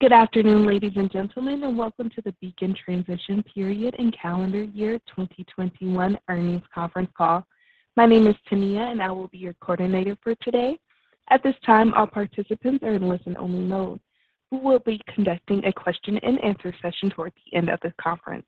Good afternoon, ladies and gentlemen, and welcome to the Beacon Transition Period and Calendar Year 2021 Earnings Conference Call. My name is Tania, and I will be your coordinator for today. At this time, all participants are in listen-only mode. We will be conducting a question-and-answer session towards the end of this conference.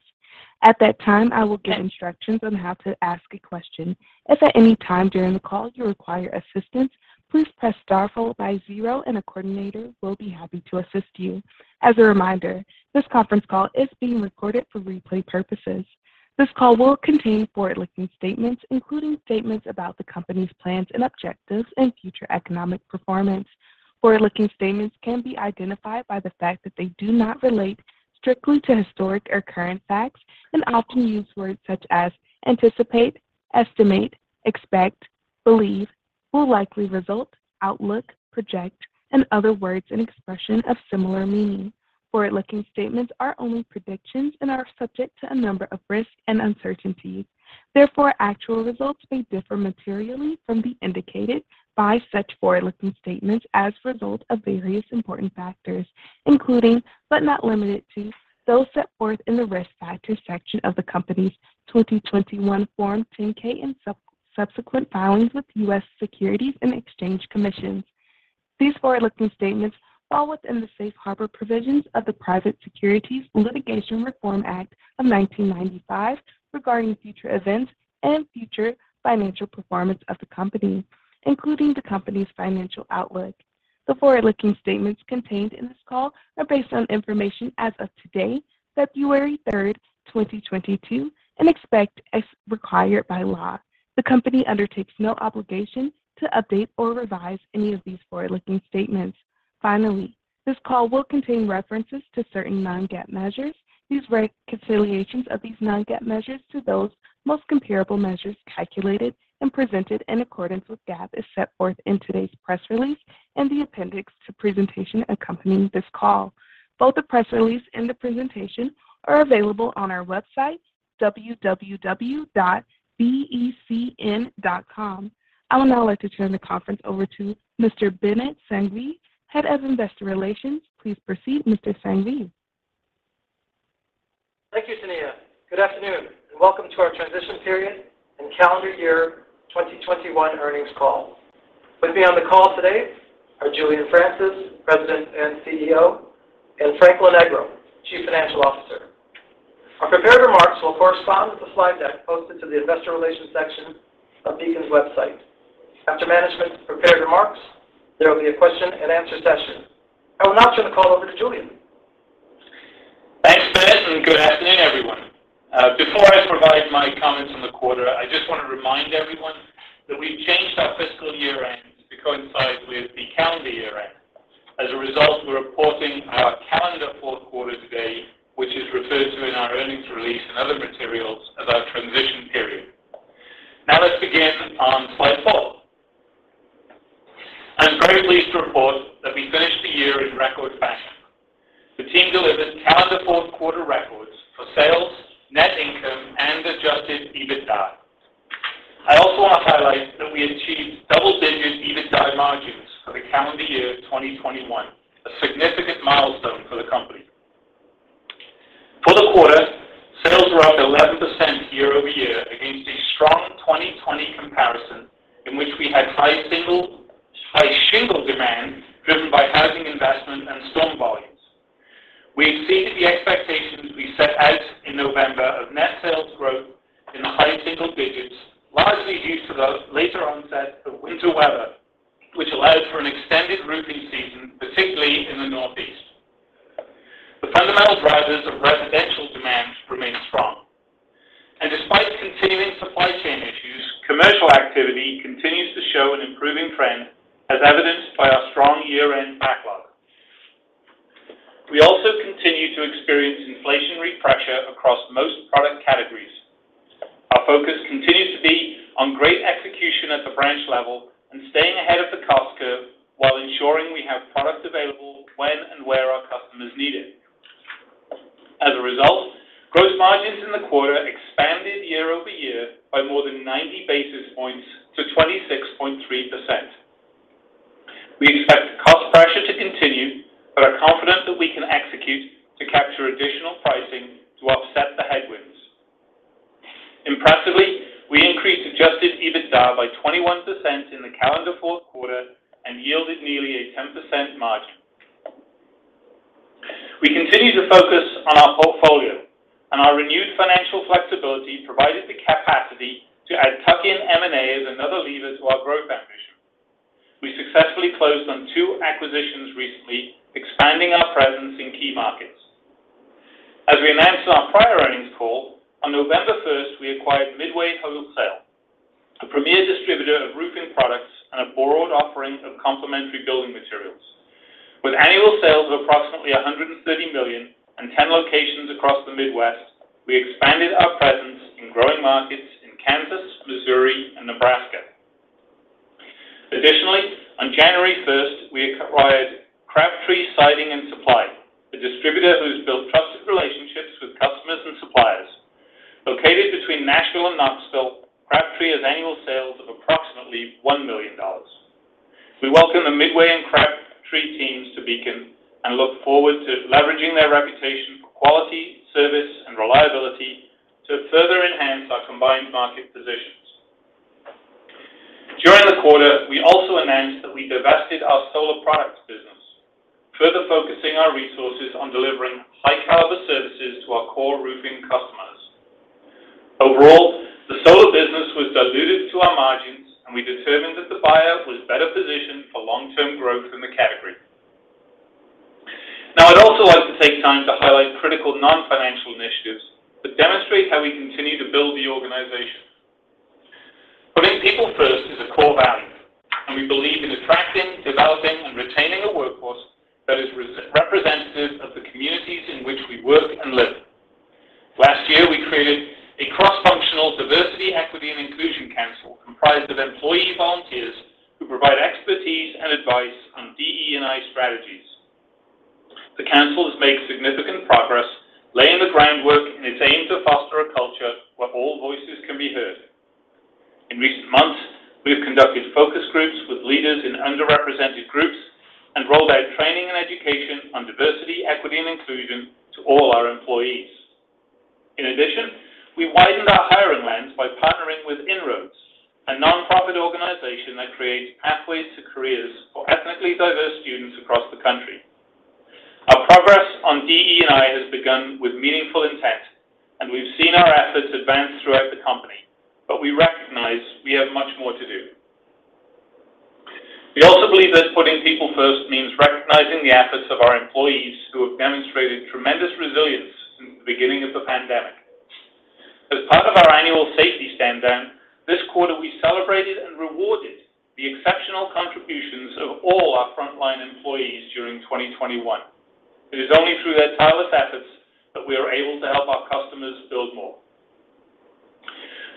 At that time, I will give instructions on how to ask a question. If at any time during the call you require assistance, please press star followed by zero, and a coordinator will be happy to assist you. As a reminder, this conference call is being recorded for replay purposes. This call will contain forward-looking statements, including statements about the company's plans and objectives and future economic performance. Forward-looking statements can be identified by the fact that they do not relate strictly to historic or current facts and often use words such as anticipate, estimate, expect, believe, will likely result, outlook, project, and other words and expressions of similar meaning. Forward-looking statements are only predictions and are subject to a number of risks and uncertainties. Therefore, actual results may differ materially from those indicated by such forward-looking statements as a result of various important factors, including but not limited to those set forth in the Risk Factors section of the company's 2021 Form 10-K and subsequent filings with the U.S. Securities and Exchange Commission. These forward-looking statements fall within the Safe Harbor provisions of the Private Securities Litigation Reform Act of 1995 regarding future events and future financial performance of the company, including the company's financial outlook. The forward-looking statements contained in this call are based on information as of today, February 3, 2022, except as required by law. The company undertakes no obligation to update or revise any of these forward-looking statements. Finally, this call will contain references to certain non-GAAP measures. These reconciliations of non-GAAP measures to the most comparable measures calculated and presented in accordance with GAAP are set forth in today's press release and the appendix to the presentation accompanying this call. Both the press release and the presentation are available on our website, www.becn.com. I would now like to turn the call over to Mr. Binit Sanghvi, Head of Investor Relations. Please proceed, Mr. Sanghvi. Thank you, Tania. Good afternoon and welcome to our transition period and calendar year 2021 earnings call. With me on the call today are Julian Francis, President and CEO, and Frank Lonegro, Chief Financial Officer. Our prepared remarks will correspond with the slide deck posted to the investor relations section of Beacon's website. After management's prepared remarks, there will be a question and answer session. I will now turn the call over to Julian. Thanks, Binit, and good afternoon, everyone. Before I provide my comments on the quarter, I just wanna remind everyone that we've changed our fiscal year-end to coincide with the calendar year-end. As a result, we're reporting our calendar Q4 today, which is referred to in our earnings release and other materials as our transition period. Now let's begin on slide four. I'm very pleased to report that we finished the year in record fashion. The team delivered calendar Q4 records for sales, net income, and adjusted EBITDA. I also want to highlight that we achieved double-digit EBITDA margins for the calendar year 2021, a significant milestone for the company. locations across the Midwest, we expanded our presence in growing markets in Kansas, Missouri, and Nebraska. Additionally, on January first, we acquired Crabtree Siding and Supply, a distributor with sales of approximately $1 million. We welcome the Midway and Crabtree teams to Beacon and look forward to leveraging their reputation for quality, service, and reliability to further enhance our combined market positions. During the quarter, we also announced that we divested our solar products business, further focusing our resources on delivering high-caliber services to our core roofing customers. Overall, the solar business was dilutive to our margins, and we determined that the buyer was better positioned for long-term growth in the category. Now, I'd also like to take time to highlight critical non-financial initiatives that demonstrate how we continue to build the organization. Putting people first is a core value, and we believe in attracting, developing, and retaining a workforce that is representative of the communities in which we work and live. Last year, we created a cross-functional diversity, equity, and inclusion council comprised of employee volunteers who provide expertise and advice on DE&I strategies. The council has made significant progress, laying the groundwork in its aim to foster a culture where all voices can be heard. In recent months, we have conducted focus groups with leaders in underrepresented groups and rolled out training and education on diversity, equity, and inclusion to all our employees. In addition, we widened our hiring lens by partnering with INROADS, a nonprofit organization that creates pathways to careers for ethnically diverse students across the country. Our progress on DE&I has begun with meaningful intent, and we've seen our efforts advance throughout the company, but we recognize we have much more to do. We also believe that putting people first means recognizing the efforts of our employees who have demonstrated tremendous resilience since the beginning of the pandemic. As part of our annual safety stand-down, this quarter we celebrated and rewarded the exceptional contributions of all our frontline employees during 2021. It is only through their tireless efforts that we are able to help our customers build more.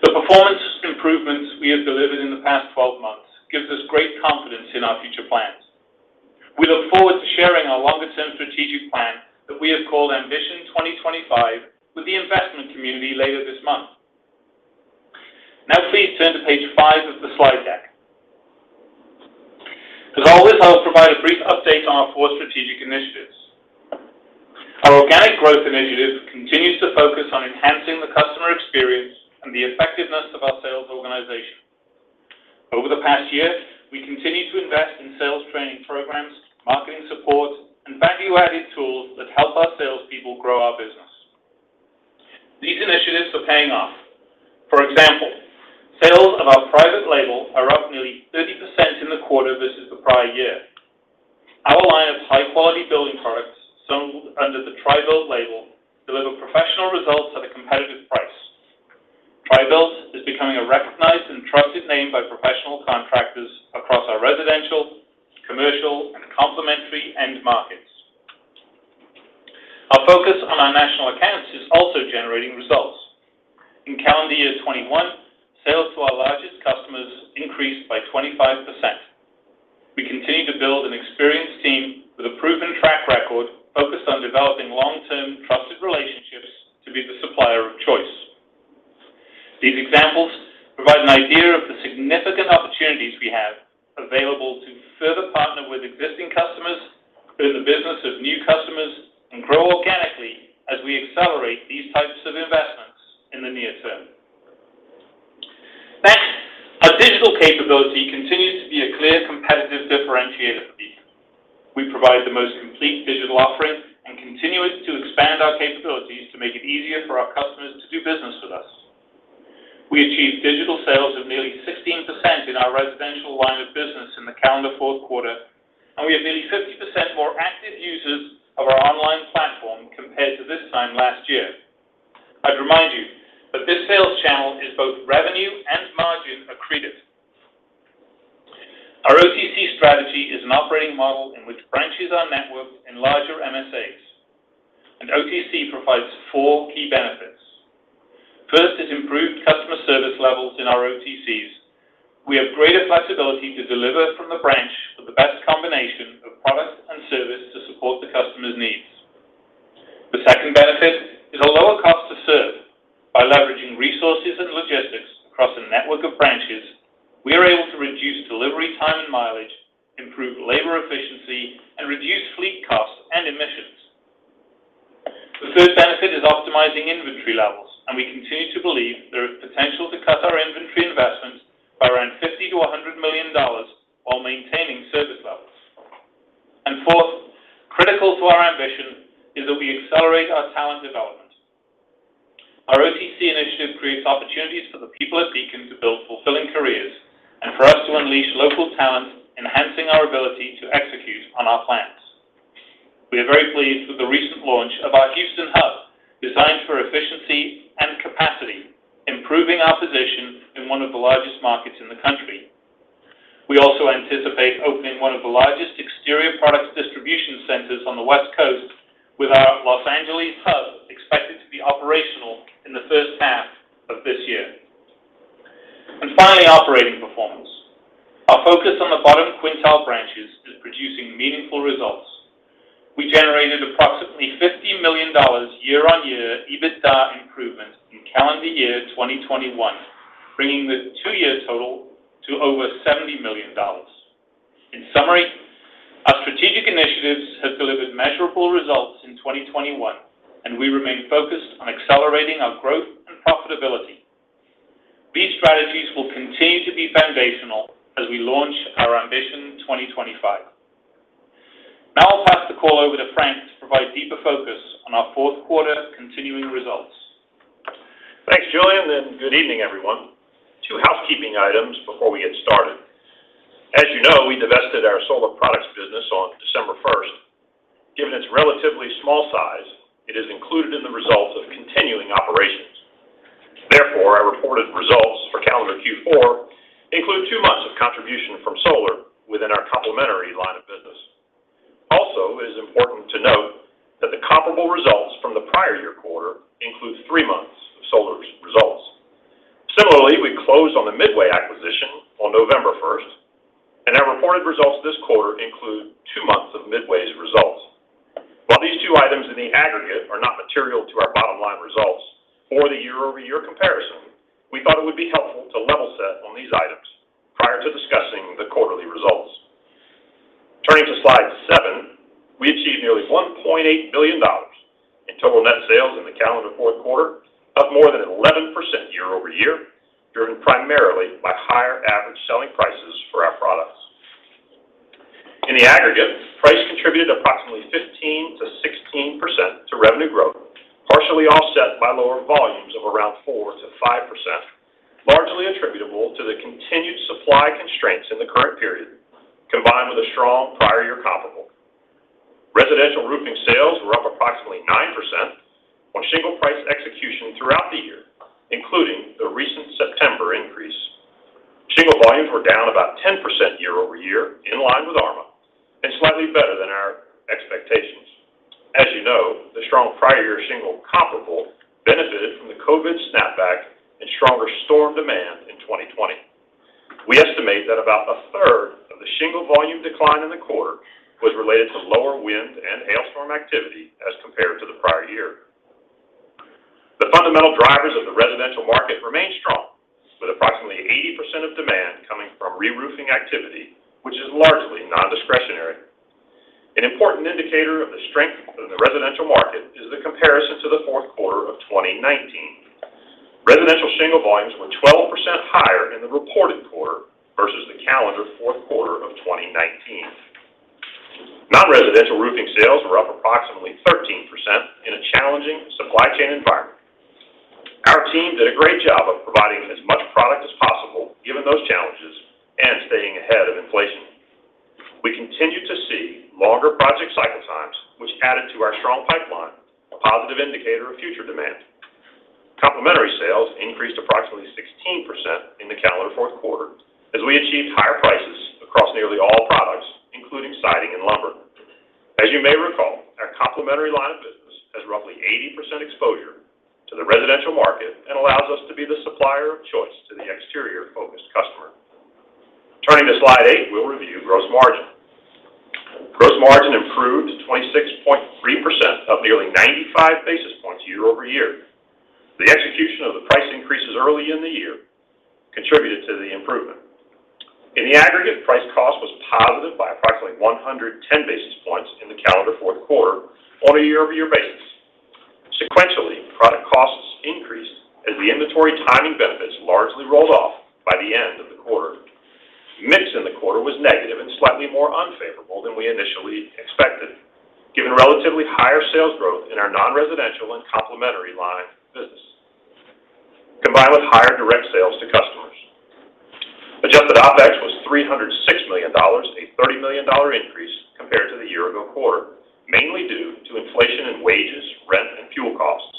The performance improvements we have delivered in the past 12 months gives us great confidence in our future plans. We look forward to sharing our longer-term strategic plan that we have called Ambition 2025 with the investment community later this month. Now please turn to page five of the slide deck. As always, I'll provide a brief update on our four strategic initiatives. Our organic growth initiative continues to focus on enhancing the customer experience and the effectiveness of our sales organization. Over the past year, we continued to invest in sales training programs, marketing support, and value-added tools that help our salespeople grow our business. These initiatives are paying off. For example, sales of our private label are up nearly 30% in the quarter versus the prior year. Our line of high-quality building products sold under the TRI-BUILT label deliver professional results at a competitive price. TRI-BUILT is becoming a recognized and trusted name by professional contractors across our residential, commercial, and complementary end markets. Our focus on our national accounts is also generating results. In calendar year 2021, sales to our largest customers increased by 25%. We continue to build an experienced team with a proven track record focused on developing long-term, trusted relationships to be the supplier of choice. These examples provide an idea of the significant opportunities we have available to further partner with existing customers, build the business with new customers, and grow organically as we accelerate these types of investments in the near term. Next, our digital capability continues to be a clear competitive differentiator for Beacon. We provide the most complete digital offering and continue to expand our capabilities to make it easier for our customers to do business with us. We achieved digital sales of nearly 16% in our residential line of business in the calendar Q4, and we have nearly 50% more active users of our online platform compared to this time last year. I'd remind you that this sales channel is both revenue and margin accretive. Our OTC strategy is an operating model in which branches are networked in larger MSAs, and OTC provides four key benefits. First is improved customer service levels in our OTCs. We have greater flexibility to deliver from the branch with the best combination of product and service to support the customer's needs. The second benefit is a lower cost to serve. By leveraging resources and logistics across a network of branches, we are able to reduce delivery time and mileage, improve labor efficiency, and reduce fleet costs and emissions. The third benefit is optimizing inventory levels, and we continue to believe there is potential to cut our inventory investments by around $50 million-$100 million while maintaining service levels. Fourth, critical to our ambition is that we accelerate our talent development. Our OTC initiative creates opportunities for the people at Beacon to build fulfilling careers and for us to unleash local talent, enhancing our ability to execute on our plans. We are very pleased with the recent launch of our Houston hub, designed for efficiency and capacity, improving our position in one of the largest markets in the country. We also anticipate opening one of the largest exterior products distribution centers on the West Coast with our Los Angeles hub expected to be operational in the first half of this year. Finally, operating performance. Our focus on the bottom quintile branches is producing meaningful results. We generated $18 million year-on-year EBITDA improvement in calendar year 2021, bringing the two-year total to over $70 million. In summary, our strategic initiatives have delivered measurable results in 2021, and we remain focused on accelerating our growth and profitability. These strategies will continue to be foundational as we launch our Ambition 2025. Now, I'll pass the call over to Frank to provide deeper focus on our Q4 continuing results. Thanks, Julian, and good evening, everyone. Two housekeeping items before we get started. As you know, we divested our Solar products business on December first. Given its relatively small size, it is included in the results of continuing operations. Therefore, our reported results for calendar Q4 include two months of contribution from Solar within our complementary line of business. Also, it is important to note that the comparable results from the prior year quarter includes three months of Solar's results. Similarly, we closed on the Midway acquisition on November first, and our reported results this quarter include two months of Midway's results. While these two items in the aggregate are not material to our bottom line results or the year-over-year comparison, we thought it would be helpful to level set on these items prior to discussing the quarterly results. Turning to slide seven, we achieved nearly $1.8 billion in total net sales in the calendar Q4, up more than 11% year-over-year, driven primarily by higher average selling prices for our products. In the aggregate, price contributed approximately 15%-16% to revenue growth, partially offset by lower volumes of around 4%-5%, largely attributable to the continued supply constraints in the current period, combined with a strong prior year comparable. Residential roofing sales were up approximately 9% on shingle price execution throughout the year, including the recent September increase. Shingle volumes were down about 10% year-over-year, in line with ARMA and slightly better than our expectations. As you know, the strong prior year shingle comparable benefited from the COVID snapback and stronger storm demand in 2020. We estimate that about a third of the shingle volume decline in the quarter was related to lower wind and hailstorm activity as compared to the prior year. The fundamental drivers of the residential market remain strong, with approximately 80% of demand coming from reroofing activity, which is largely nondiscretionary. An important indicator of the strength in the residential market is the comparison to the Q4 of 2019. Residential shingle volumes were 12% higher in the reported quarter versus the calendar Q4 of 2019. Non-residential roofing sales were up approximately 13% in a challenging supply chain environment. Our team did a great job of providing as much product as possible, given those challenges and staying ahead of inflation. We continue to see longer project cycle times, which added to our strong pipeline, a positive indicator of future demand. Complementary sales increased approximately 16% in the calendar Q4 as we achieved higher prices across nearly all products, including siding and lumber. As you may recall, our complementary line of business has roughly 80% exposure to the residential market and allows us to be the supplier of choice to the exterior-focused customer. Turning to slide eight, we'll review gross margin. Gross margin improved 26.3%, up nearly 95 basis points year-over-year. The execution of the price increases early in the year contributed to the improvement. In the aggregate, price cost was positive by approximately 110 basis points in the calendar Q4 on a year-over-year basis. Sequentially, product costs increased as the inventory timing benefits largely rolled off by the end of the quarter. Mix in the quarter was negative and slightly more unfavorable than we initially expected, given relatively higher sales growth in our non-residential and complementary line of business, combined with higher direct sales to customers. Adjusted OpEx was $306 million, a $30 million increase compared to the year-ago quarter, mainly due to inflation in wages, rent, and fuel costs.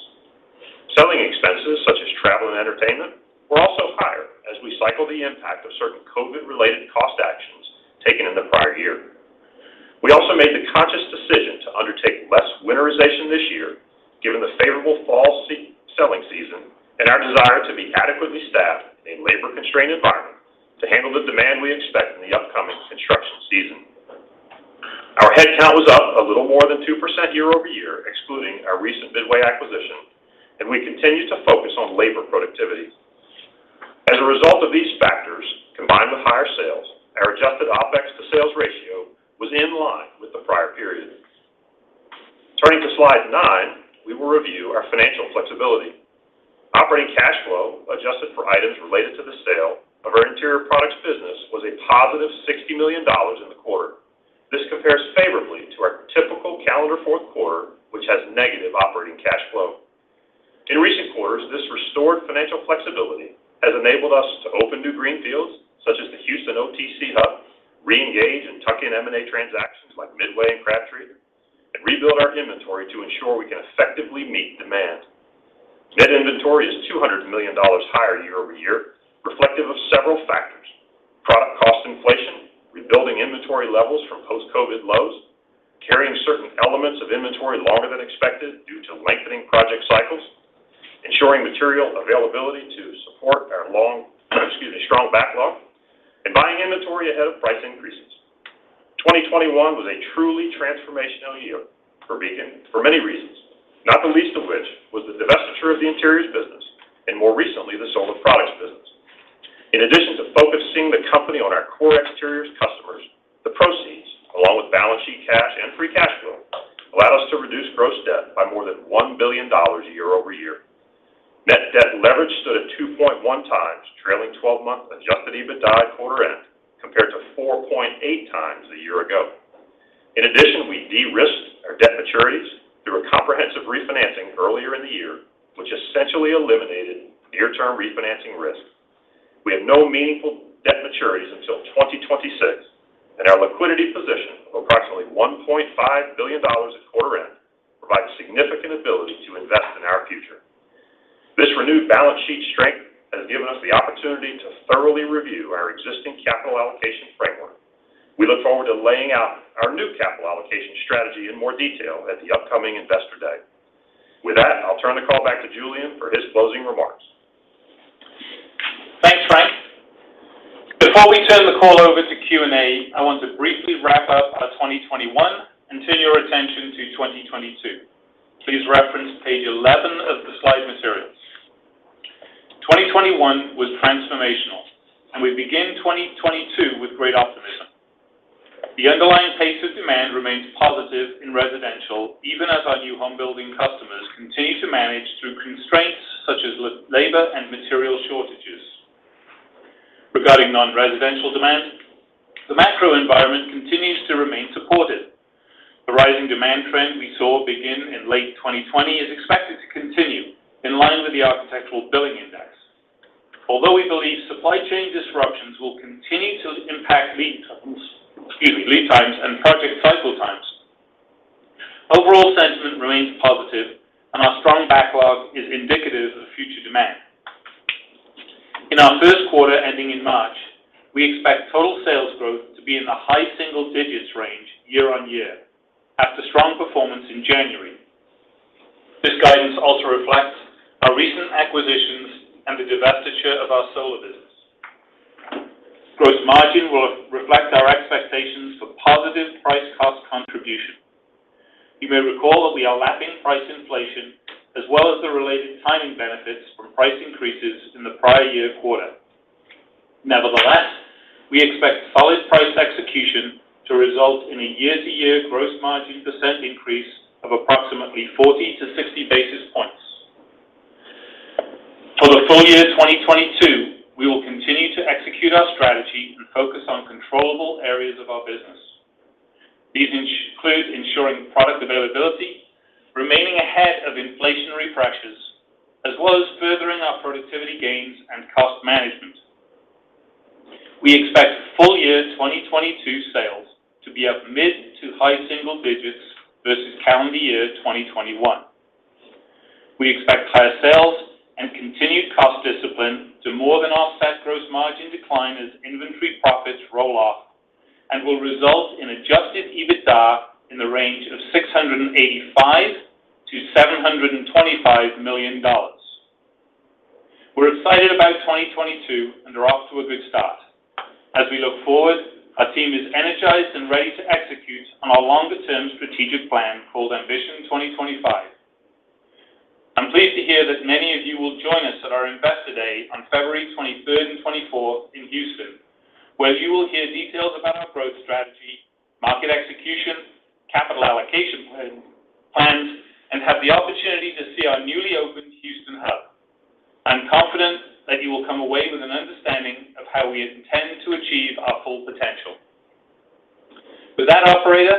Selling expenses such as travel and entertainment were also higher as we cycle the impact of certain COVID-related cost actions taken in the prior year. We also made the conscious decision to undertake less winterization this year, given the favorable fall selling season and our desire to be adequately staffed in a labor-constrained environment to handle the demand we expect in the upcoming construction season. Our headcount was up a little more than 2% year-over-year, excluding our recent Midway acquisition, and we continue to focus on labor productivity. As a result of these factors, combined with higher sales, our adjusted OpEx to sales ratio was in line with the prior period. Turning to slide nine, we will review our financial flexibility. Operating cash flow, adjusted for items related to the sale of our Interior Products business, was a positive $60 million in the quarter. This compares favorably to our typical calendar Q4, which has negative operating cash flow. In recent quarters, this restored financial flexibility has enabled us to open new greenfields, such as the Houston OTC hub, reengage in tuck-in M&A transactions like Midway and Crabtree, and rebuild our inventory to ensure we can effectively meet demand. Net inventory is $200 million higher year-over-year, reflective of several factors: product cost inflation, rebuilding inventory levels from post-COVID lows, carrying certain elements of inventory longer than expected. Material availability to support our strong backlog and buying inventory ahead of price increases. 2021 was a truly transformational year for Beacon for many reasons, not the least of which was the divestiture of the interiors business and more recently, the solar products business. In addition to focusing the company on our core exteriors customers, the proceeds, along with balance sheet cash and free cash flow, allowed us to reduce gross debt by more than $1 billion year-over-year. Net debt leverage stood at 2.1x trailing twelve-month adjusted EBITDA at quarter end compared to 4.8x a year ago. In addition, we de-risked our debt maturities through a comprehensive refinancing earlier in the year, which essentially eliminated near-term refinancing risk. We have no meaningful debt maturities until 2026, and our liquidity position of approximately $1.5 billion at quarter end provides significant ability to invest in our future. This renewed balance sheet strength has given us the opportunity to thoroughly review our existing capital allocation framework. We look forward to laying out our new capital allocation strategy in more detail at the upcoming Investor Day. With that, I'll turn the call back to Julian for his closing remarks. Thanks, Frank. Before we turn the call over to Q&A, I want to briefly wrap up our 2021 and turn your attention to 2022. Please reference page 11 of the slide materials. 2021 was transformational, and we begin 2022 with great optimism. The underlying pace of demand remains positive in residential, even as our new home building customers continue to manage through constraints such as labor and material shortages. Regarding non-residential demand, the macro environment continues to remain supported. The rising demand trend we saw begin in late 2020 is expected to continue in line with the Architectural Billings Index. Although we believe supply chain disruptions will continue to impact lead times and project cycle times, overall sentiment remains positive, and our strong backlog is indicative of future demand. In our Q1 ending in March, we expect total sales growth to be in the high single-digits range year-on-year after strong performance in January. This guidance also reflects our recent acquisitions and the divestiture of our solar business. Gross margin will reflect our expectations for positive price cost contribution. You may recall that we are lapping price inflation as well as the related timing benefits from price increases in the prior year quarter. Nevertheless, we expect solid price execution to result in a year-to-year gross margin percent increase of approximately 40-60 basis points. For the full year 2022, we will continue to execute our strategy and focus on controllable areas of our business. These include ensuring product availability, remaining ahead of inflationary pressures, as well as furthering our productivity gains and cost management. We expect full year 2022 sales to be up mid- to high-single digits versus calendar year 2021. We expect higher sales and continued cost discipline to more than offset gross margin decline as inventory profits roll off and will result in adjusted EBITDA in the range of $685 million-$725 million. We're excited about 2022 and are off to a good start. As we look forward, our team is energized and ready to execute on our longer-term strategic plan called Ambition 2025. I'm pleased to hear that many of you will join us at our Investor Day on February twenty-third and twenty-fourth in Houston, where you will hear details about our growth strategy, market execution, capital allocation plan, plans, and have the opportunity to see our newly opened Houston hub. I'm confident that you will come away with an understanding of how we intend to achieve our full potential. With that, operator,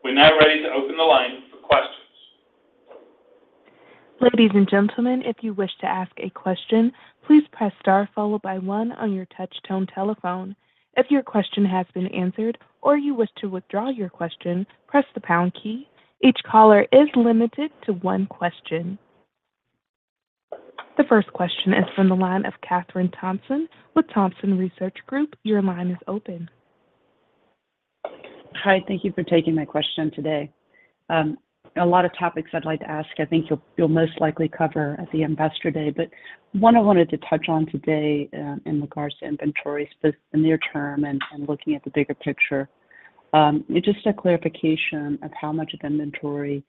we're now ready to open the line for questions. The first question is from the line of Kathryn Thompson with Thompson Research Group. Your line is open. Hi. Thank you for taking my question today. A lot of topics I'd like to ask, I think you'll most likely cover at the Investor Day. One I wanted to touch on today, in regards to inventory, so the near term and looking at the bigger picture, just a clarification of how much of inventory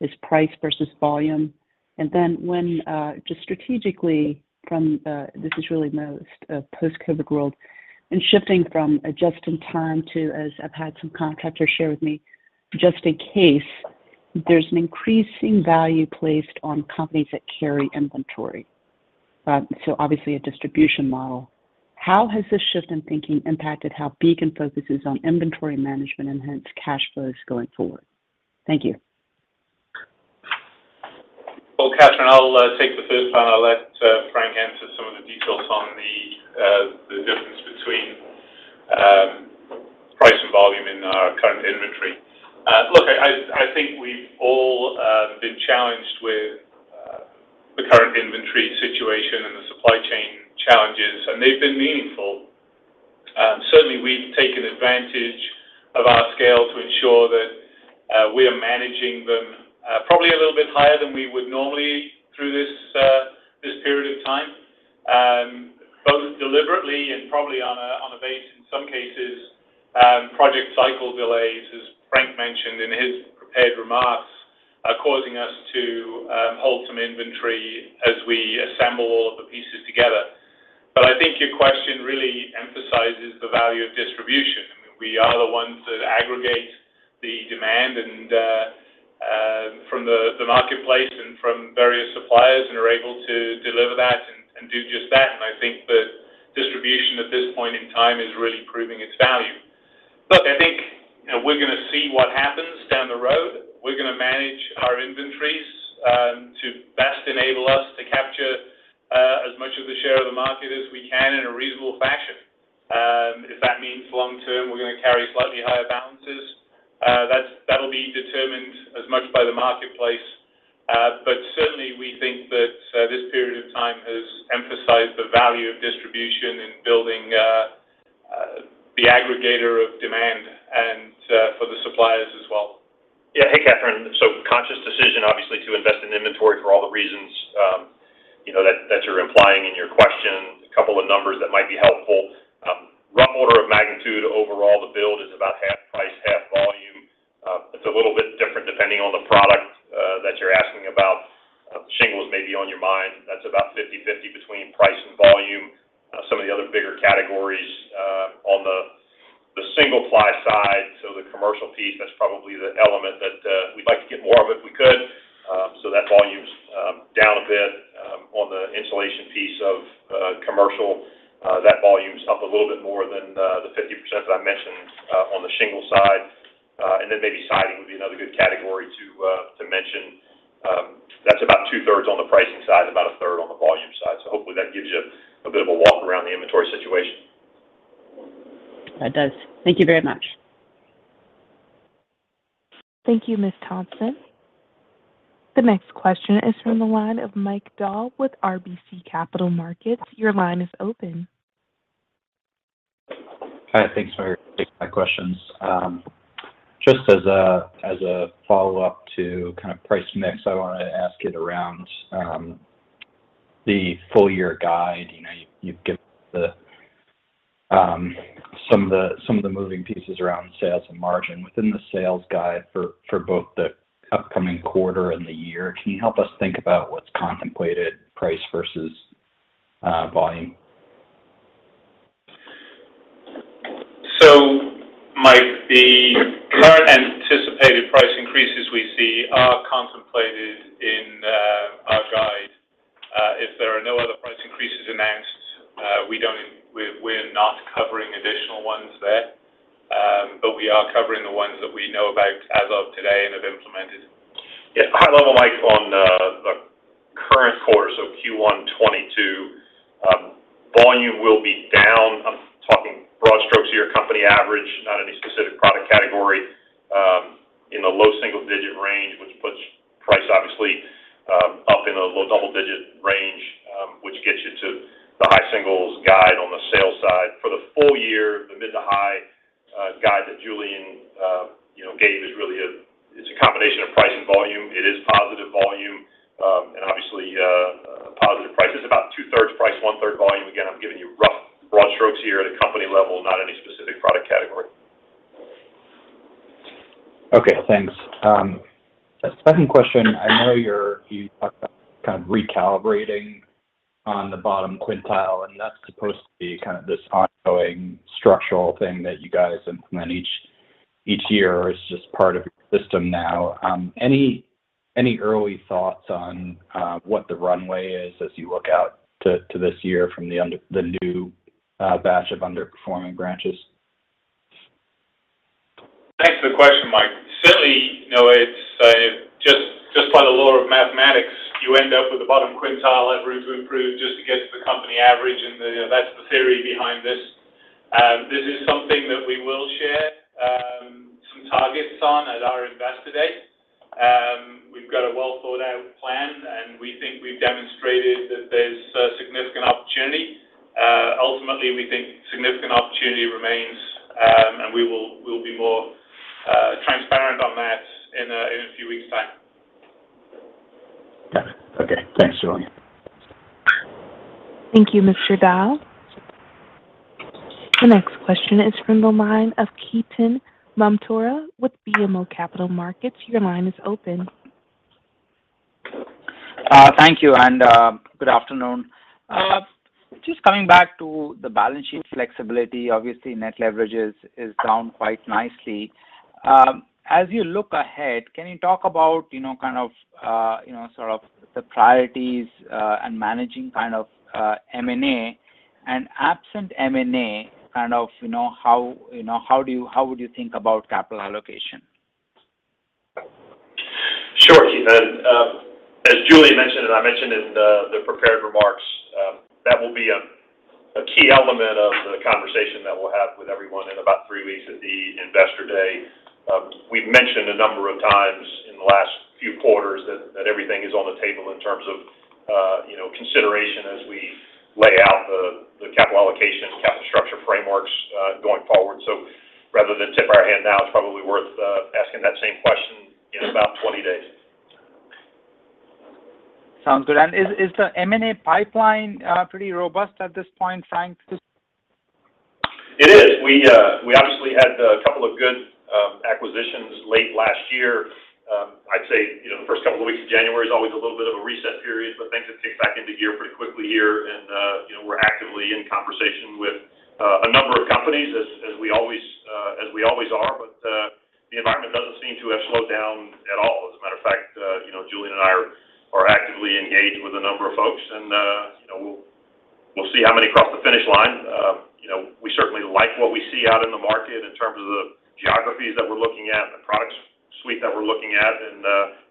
is price versus volume. Then, just strategically from this is really most post-COVID world and shifting from a just-in-time to, as I've had some contractors share with me, just in case there's an increasing value placed on companies that carry inventory. Obviously a distribution model. How has this shift in thinking impacted how Beacon focuses on inventory management and hence cash flows going forward? Thank you. Well, Kathryn, I'll take the first part. I'll let Frank answer some of the details on the difference between price and volume in our current inventory. Look, I think we've all been challenged with the current inventory situation and the supply chain challenges, and they've been meaningful. Certainly we've taken advantage We are managing them probably a little bit higher than we would normally through this period of time both deliberately and probably on a base in some cases. Project cycle delays, as Frank mentioned in his prepared remarks, are causing us to hold some inventory as we assemble all of the pieces together. I think your question really emphasizes the value of distribution. We are the ones that aggregate the demand and from the marketplace and from various suppliers and are able to deliver that and do just that. I think that distribution at this point in time is really proving its value. Look, I think you know we're gonna see what happens down the road. We're gonna manage our inventories to best enable us to capture as much of the share of the market as we can in a reasonable fashion. If that means long term, we're gonna carry slightly higher balances, that'll be determined as much by the marketplace. Certainly we think that this period of time has emphasized the value of distribution in building the aggregator of demand and for the suppliers as well. Yeah. Hey, Kathryn. Conscious decision obviously to invest in inventory for all the reasons, you know, that you're implying in your question. A couple of numbers that might be helpful. Rough order of magnitude overall, the build is about half price, half volume. It's a little bit different depending on the product that you're asking about. Shingles may be on your mind. That's about 50/50 between price and volume. Some of the other bigger categories, on the single-ply side, so the commercial piece, that's probably the element that we'd like to get more of if we could. That volume's down a bit. On the installation piece of commercial, that volume's up a little bit more than the 50% that I mentioned on the shingle side. Maybe siding would be another good category to mention. That's about two-thirds on the pricing side and about a third on the volume side. Hopefully that gives you a bit of a walk around the inventory situation. That does. Thank you very much. Thank you, Ms. Thompson. The next question is from the line of Mike Dahl with RBC Capital Markets. Your line is open. Hi. Thanks for taking my questions. Just as a follow-up to kind of price mix, I wanna ask you about the full year guide. You know, you've given some of the moving pieces around sales and margin. Within the sales guide for both the upcoming quarter and the year, can you help us think about what's contemplated price versus volume? Mike, the current anticipated price increases we see are contemplated in our guide. If there are no other price increases announced, we're not covering additional ones there. We are covering the ones that we know about as of today and have implemented. Yeah. High level, Mike, on the current quarter, so Q1 2022, volume will be down. I'm talking broad strokes here, company average, not any specific product category, in the low single digit range, which puts price obviously up in a low double digit range, which gets you to the high singles guide on the sales side. For the full year, the mid- to high- guide that Julian you know gave is really a combination of price and volume. It is positive volume and obviously a positive price. It's about two-thirds price, one-third volume. Again, I'm giving you rough broad strokes here at a company level, not any specific product category. Okay. Thanks. Second question, I know you talked about kind of recalibrating on the bottom quintile, and that's supposed to be kind of this ongoing structural thing that you guys implement each year or is just part of your system now. Any early thoughts on what the runway is as you look out to this year from the new batch of underperforming branches? Thanks for the question, Mike. Certainly, you know, it's just by the law of mathematics, you end up with the bottom quintile having to improve just to get to the company average, and, you know, that's the theory behind this. This is something that we will share some targets on at our Investor Day. We've got a well-thought-out plan, and we think we've demonstrated that there's significant opportunity. Ultimately, we think significant opportunity remains, and we'll be more transparent on that in a few weeks' time. Got it. Okay. Thanks, Julian. Thank you, Mr. Dahl. The next question is from the line of Ketan Mamtora with BMO Capital Markets. Your line is open. Thank you, and good afternoon. Just coming back to the balance sheet flexibility, obviously net leverage is down quite nicely. As you look ahead, can you talk about, you know, kind of, you know, sort of the priorities, and managing kind of M&A? Absent M&A, you know, how would you think about capital allocation? Sure, Ketan. As Julian mentioned, and I mentioned in the prepared remarks, that will be a key element of the conversation that we'll have with everyone in about three weeks at the Investor Day. We've mentioned a number of times in the last quarters that everything is on the table in terms of, you know, consideration as we lay out the capital allocation, capital structure frameworks going forward. Rather than tip our hand now, it's probably worth asking that same question in about 20 days. Sounds good. Is the M&A pipeline pretty robust at this point, Frank? It is. We obviously had a couple of good acquisitions late last year. I'd say, you know, the first couple of weeks of January is always a little bit of a reset period, but things have kicked back into gear pretty quickly here and, you know, we're actively in conversation with a number of companies as we always are. The environment doesn't seem to have slowed down at all. As a matter of fact, you know, Julian and I are actively engaged with a number of folks and, you know, we'll see how many cross the finish line. You know, we certainly like what we see out in the market in terms of the geographies that we're looking at and the product suite that we're looking at.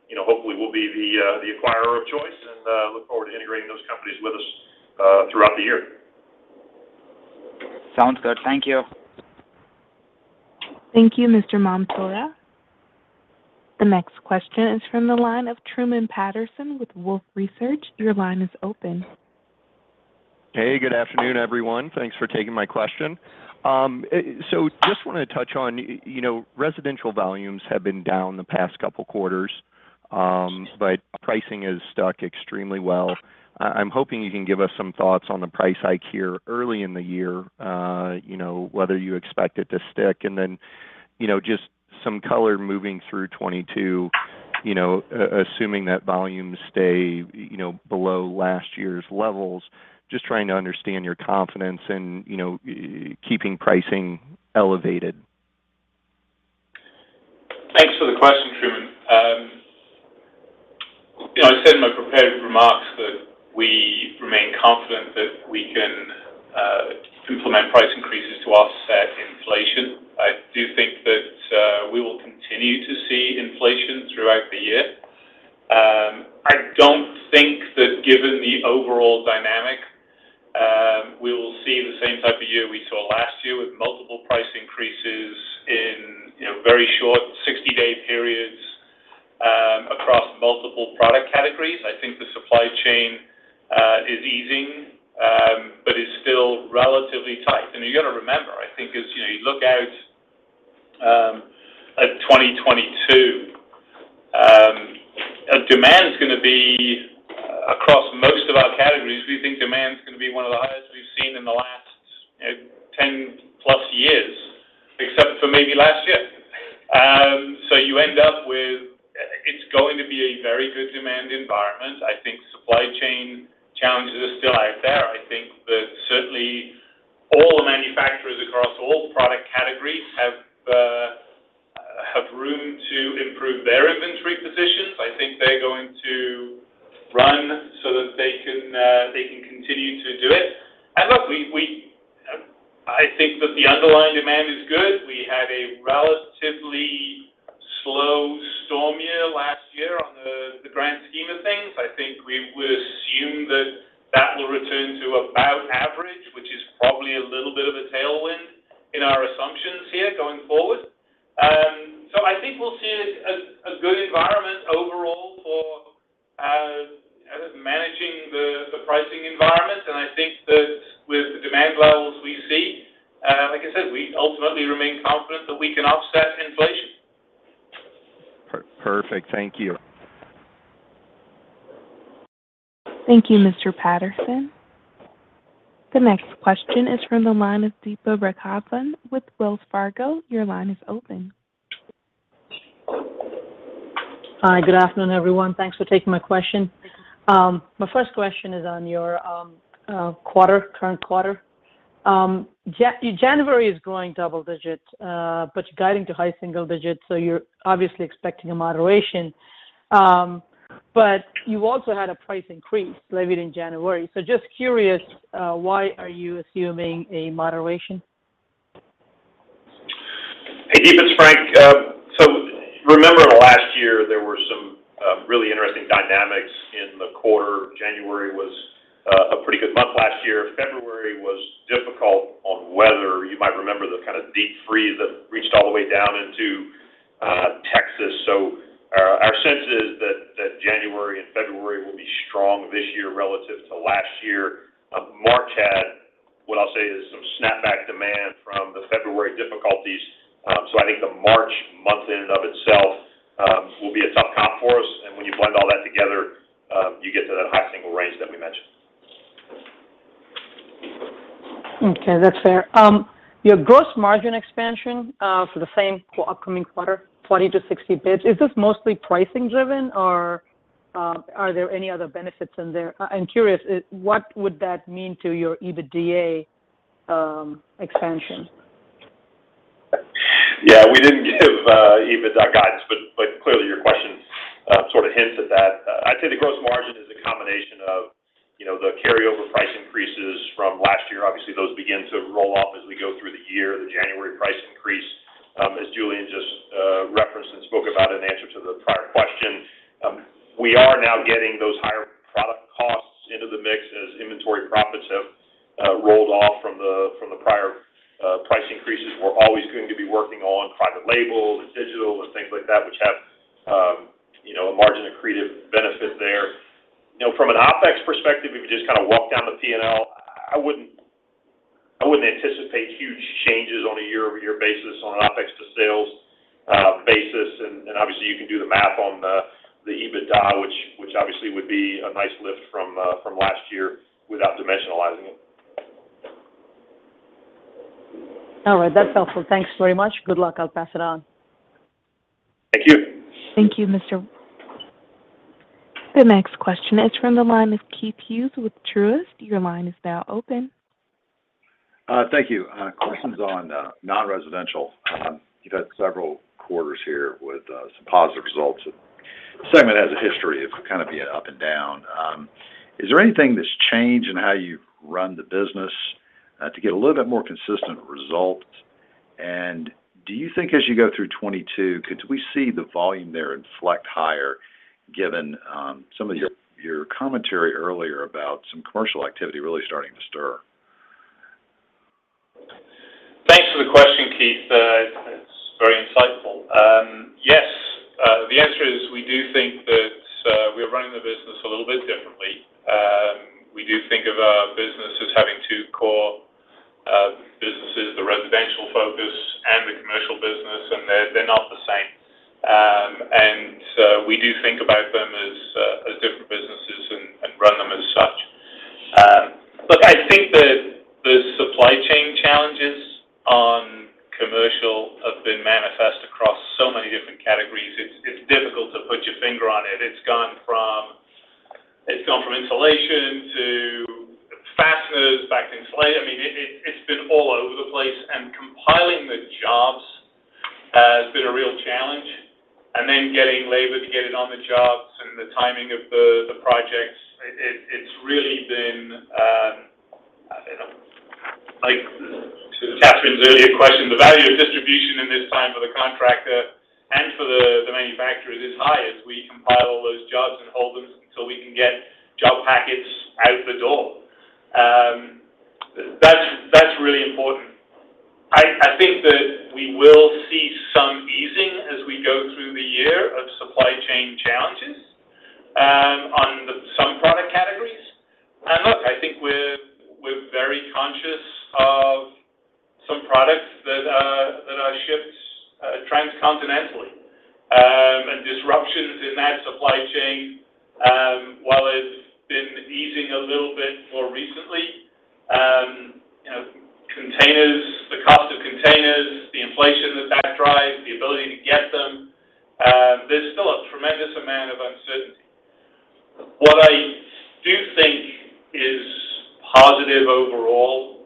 You know, hopefully we'll be the acquirer of choice and look forward to integrating those companies with us throughout the year. Sounds good. Thank you. Thank you, Mr. Mamtora. The next question is from the line of Truman Patterson with Wolfe Research. Your line is open. Hey, good afternoon, everyone. Thanks for taking my question. So just wanna touch on, you know, residential volumes have been down the past couple quarters, but pricing has stuck extremely well. I'm hoping you can give us some thoughts on the price hike here early in the year, you know, whether you expect it to stick and then, you know, just some color moving through 2022, you know, assuming that volumes stay, you know, below last year's levels. Just trying to understand your confidence in, you know, keeping pricing elevated. Thanks for the question, Truman. You know, I said in my prepared remarks that we remain confident that we can implement price increases to offset inflation. I do think that we will continue to see inflation throughout the year. I don't think that given the overall dynamic, we will see the same type of year we saw last year with multiple price increases in, you know, very short 60-day periods, across multiple product categories. I think the supply chain is easing, but is still relatively tight. You gotta remember, I think as, you know, you look out at 2022, demand's gonna be across most of our categories. We think demand's gonna be one of the highest we've seen in the last, you know, 10+ years, except for maybe last year. You end up with it's going to be a very good demand environment. I think supply chain challenges are still out there. I think that certainly all manufacturers across all product categories have room to improve their inventory positions. I think they're going to run so that they can continue to do it. Look, I think that the underlying demand is good. We had a relatively slow storm year last year on the grand scheme of things. I think we would assume that will return to about average, which is probably a little bit of a tailwind in our assumptions here going forward. I think we'll see a good environment overall for managing the pricing environment. I think that with the demand levels we see, like I said, we ultimately remain confident that we can offset inflation. Perfect. Thank you. Thank you, Mr. Patterson. The next question is from the line of Deepa Raghavan with Wells Fargo. Your line is open. Hi, good afternoon, everyone. Thanks for taking my question. My first question is on your current quarter. January is growing double digits, but you're guiding to high single digits, so you're obviously expecting a moderation. You also had a price increase levied in January. Just curious, why are you assuming a moderation? Hey, Deepa, it's Frank. So remember last year there were some really interesting dynamics in the quarter. January was a pretty good month last year. February was difficult on weather. You might remember the kinda deep freeze that reached all the way down into Texas. Our sense is that January and February will be strong this year relative to last year. March had what I'll say is some snapback demand from the February difficulties. So I think the March month in and of itself will be a tough comp for us. When you blend all that together, you get to that high single range that we mentioned. Okay, that's fair. Your gross margin expansion for the same upcoming quarter, 20-60 basis points, is this mostly pricing driven or are there any other benefits in there? I'm curious, what would that mean to your EBITDA expansion? Yeah, we didn't give EBITDA guidance, but clearly your question sort of hints at that. I'd say the gross margin is a combination of, you know, the carryover price increases from last year. Obviously, those begin to roll off as we go through the year. The January price increase, as Julian just referenced and spoke about in answer to the prior question. We are now getting those higher into the mix as inventory profits have rolled off from the prior price increases. We're always going to be working on private label, the digital and things like that which have, you know, a margin accretive benefit there. You know, from an OpEx perspective, if you just kind of walk down the P&L, I wouldn't anticipate huge changes on a year-over-year basis on an OpEx to sales basis. Obviously you can do the math on the EBITDA, which obviously would be a nice lift from last year without dimensionalizing it. All right. That's helpful. Thanks very much. Good luck. I'll pass it on. Thank you. Thank you. The next question is from the line of Keith Hughes with Truist. Your line is now open. Thank you. Question's on non-residential. You've had several quarters here with some positive results. The segment has a history of kind of being up and down. Is there anything that's changed in how you run the business to get a little bit more consistent results? Do you think as you go through 2022, could we see the volume there inflect higher given some of your commentary earlier about some commercial activity really starting to stir? Thanks for the question, Keith. It's very insightful. Yes. The answer is we do think that we're running the business a little bit differently. We do think of our business as having two core businesses, the residential focus and the commercial business, and they're not the same. We do think about them as different businesses and run them as such. Look, I think the supply chain challenges on commercial have been manifest across so many different categories. It's difficult to put your finger on it. It's gone from insulation to fasteners back to insulation. I mean, it's been all over the place, and compiling the jobs has been a real challenge. Then getting labor to get it on the jobs and the timing of the projects. It's really been, like, to Kathryn's earlier question, the value of distribution in this time for the contractor and for the manufacturers is high as we compile all those jobs and hold them until we can get job packets out the door. That's really important. I think that we will see some easing as we go through the year of supply chain challenges on some product categories. Look, I think we're very conscious of some products that are shipped transcontinentally. Disruptions in that supply chain, while it's been easing a little bit more recently, you know, containers, the cost of containers, the inflation that drives, the ability to get them, there's still a tremendous amount of uncertainty. What I do think is positive overall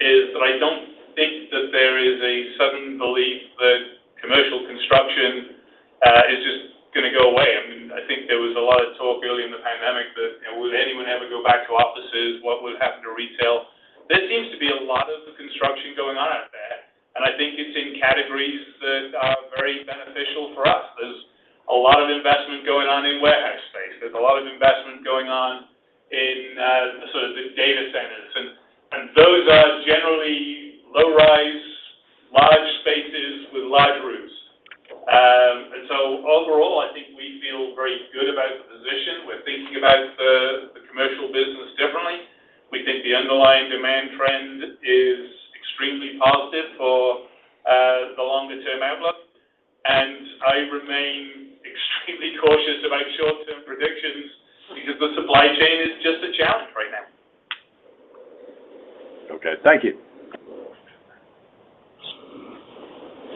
is that I don't think that there is a sudden belief that commercial construction is just gonna go away. I mean, I think there was a lot of talk early in the pandemic that, you know, would anyone ever go back to offices? What would happen to retail? There seems to be a lot of construction going on out there, and I think it's in categories that are very beneficial for us. There's a lot of investment going on in warehouse space. There's a lot of investment going on in sort of the data centers. And those are generally low rise, large spaces with large roofs. Overall, I think we feel very good about the position. We're thinking about the commercial business differently. We think the underlying demand trend is extremely positive for the longer term outlook. I remain extremely cautious about short term predictions because the supply chain is just a challenge right now. Okay. Thank you.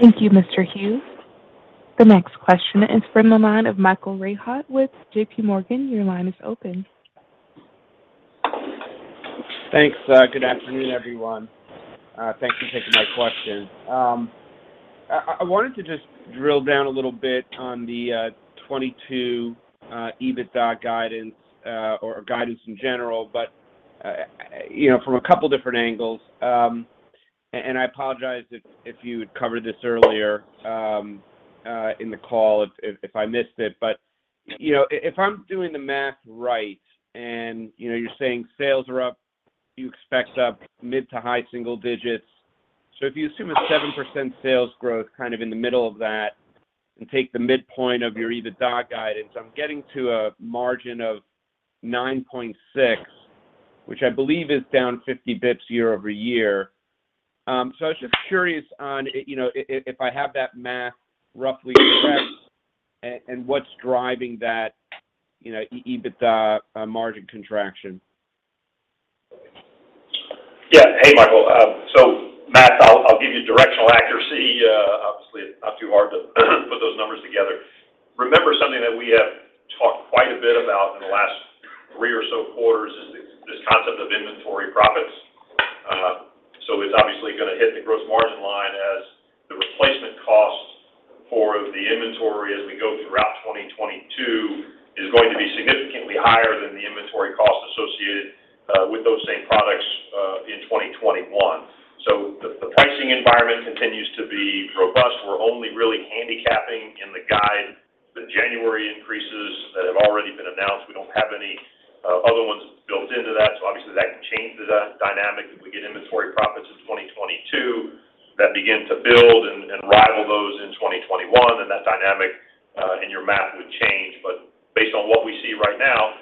Thank you, Mr. Hughes. The next question is from the line of Michael Rehaut with JPMorgan. Your line is open. Thanks. Good afternoon, everyone. Thanks for taking my question. I wanted to just drill down a little bit on the 2022 EBITDA guidance or guidance in general. You know, from a couple different angles. I apologize if you had covered this earlier in the call if I missed it. You know, if I'm doing the math right and you know, you're saying sales are up, you expect up mid- to high-single digits. If you assume a 7% sales growth kind of in the middle of that and take the midpoint of your EBITDA guidance, I'm getting to a margin of 9.6%, which I believe is down 50 basis points year-over-year. I was just curious on, you know, if I have that math roughly correct and what's driving that, you know, EBITDA margin contraction. Yeah. Hey, Michael. So the math, I'll give you directional accuracy. Obviously it's not too hard to put those numbers together. Remember something that we have talked quite a bit about in the last three or so quarters is this concept of inventory profits. It's obviously gonna hit the gross margin line as the replacement cost for the inventory as we go throughout 2022 is going to be significantly higher than the inventory cost associated with those same products. In 2021. The pricing environment continues to be robust. We're only really handicapping in the guide the January increases that have already been announced. We don't have any other ones built into that, so obviously that can change the dynamic if we get inventory profits in 2022 that begin to build and rival those in 2021, and that dynamic in your math would change. But based on what we see right now,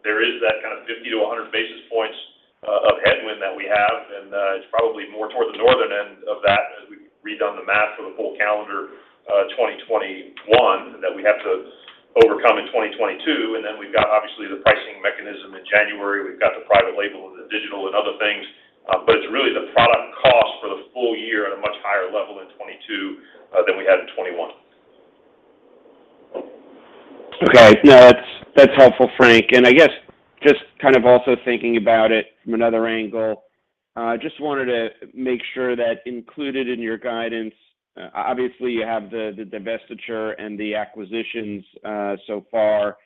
there is that kind of 50 to 100 basis points of headwind that we have. It's probably more toward the northern end of that as we rerun the math for the full calendar 2021 that we have to overcome in 2022. We've got obviously the pricing mechanism in January. We've got the private label and the digital and other things. It's really the product cost for the full year at a much higher level in 2022 than we had in 2021. Okay. No, that's helpful, Frank. I guess just kind of also thinking about it from another angle, just wanted to make sure that included in your guidance, obviously you have the divestiture and the acquisitions so far.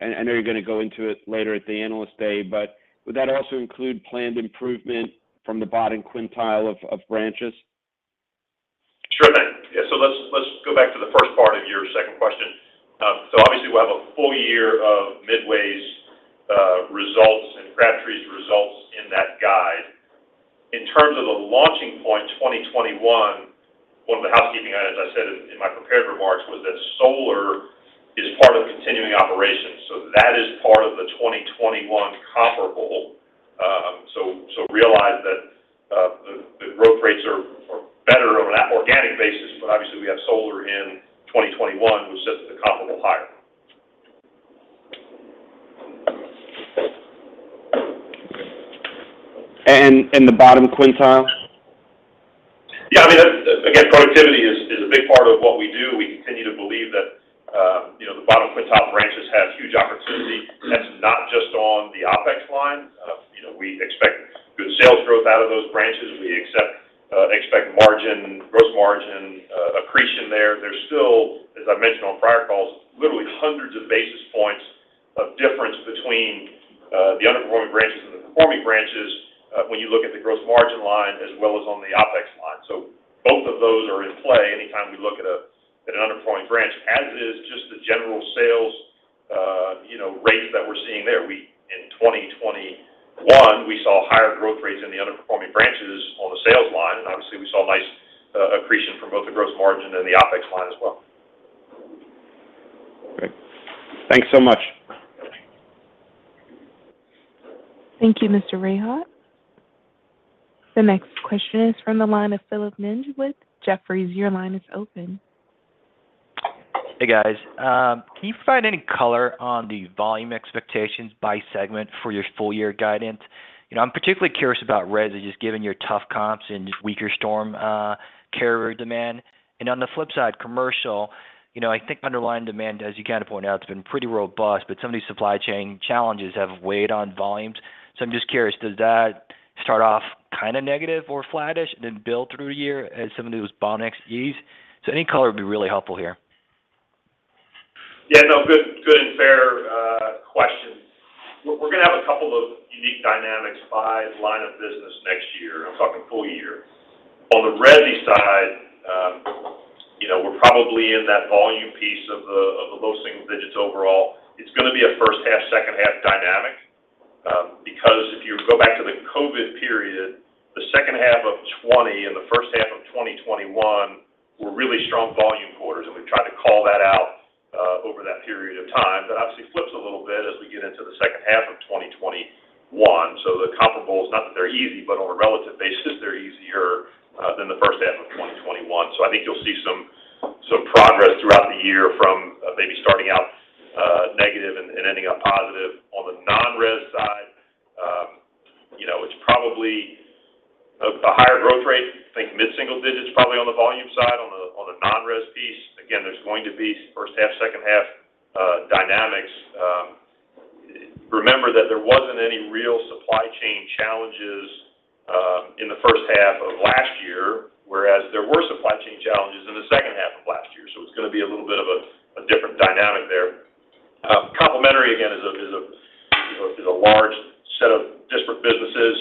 I know you're gonna go into it later at the Investor Day, but would that also include planned improvement from the bottom quintile of branches? Let's go back to the first part of your second question. Obviously we'll have a full year of Midway's results and Crabtree's results in that guide. In terms of the launching point 2021, one of the housekeeping items I said in my prepared remarks was that solar is part of the continuing operations. That is part of the 2021 comparable. Realize that the growth rates are better over that organic basis, but obviously we have solar in 2021, which sets the comparable higher. the bottom quintile? I mean, that's. Again, productivity is a big part of what we do. We continue to believe that, you know, the bottom quintile branches have huge opportunity, and that's not just on the OpEx line. You know, we expect good sales growth out of those branches. We expect gross margin accretion there. There's still, as I mentioned on prior calls, literally hundreds of basis points of difference between the underperforming branches and the performing branches, when you look at the gross margin line as well as on the OpEx line. Both of those are in play anytime we look at an underperforming branch, as is just the general sales, you know, rates that we're seeing there. In 2021, we saw higher growth rates in the underperforming branches on the sales line, and obviously we saw nice accretion from both the gross margin and the OpEx line as well. Great. Thanks so much. Thank you, Mr. Rehaut. The next question is from the line of Philip Ng with Jefferies. Your line is open. Hey, guys. Can you provide any color on the volume expectations by segment for your full year guidance? You know, I'm particularly curious about resi just given your tough comps and just weaker storm carrier demand. On the flip side, commercial, you know, I think underlying demand, as you kinda pointed out, it's been pretty robust, but some of these supply chain challenges have weighed on volumes. I'm just curious, does that start off kinda negative or flattish then build through the year as some of those bottlenecks ease? Any color would be really helpful here. Yeah, no, good and fair question. We're gonna have a couple of unique dynamics by line of business next year. I'm talking full year. On the resi side, you know, we're probably in that volume piece of the low single digits overall. It's gonna be a first half, second half dynamic, because if you go back to the COVID period, the second half of 2020 and the first half of 2021 were really strong volume quarters, and we've tried to call that out over that period of time. That obviously flips a little bit as we get into the second half of 2021. The comparables, not that they're easy, but on a relative basis, they're easier than the first half of 2021. I think you'll see some progress throughout the year from maybe starting out negative and ending up positive. On the non-resi side, you know, it's probably a higher growth rate, I think mid-single digits% probably on the volume side on the non-res piece. Again, there's going to be first half, second half dynamics. Remember that there wasn't any real supply chain challenges in the first half of last year, whereas there were supply chain challenges in the second half of last year, so it's gonna be a little bit of a different dynamic there. Complementary again is a you know is a large set of disparate businesses.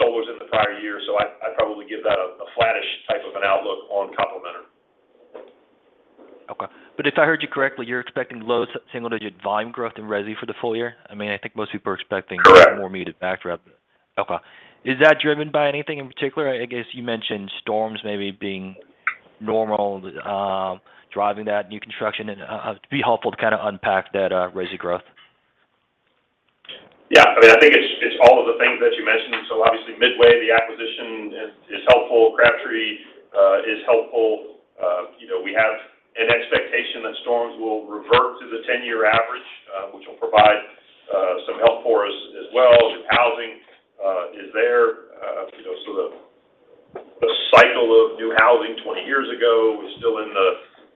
Solar's in the prior year, so I'd probably give that a flattish type of an outlook on complementary. Okay. If I heard you correctly, you're expecting low single-digit volume growth in resi for the full year? I mean, I think most people are expecting- Correct. a more muted backdrop. Okay. Is that driven by anything in particular? I guess you mentioned storms maybe being normal, driving that new construction. It'd be helpful to kinda unpack that, resi growth. Yeah. I mean, I think it's all of the things that you mentioned. Obviously Midway, the acquisition is helpful. Crabtree is helpful. You know, we have an expectation that storms will revert to the 10-year average, which will provide some help for us as well. The housing is there. You know, so the cycle of new housing 20 years ago is still in